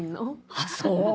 あっそう。